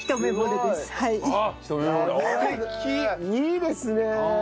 いいですねえ！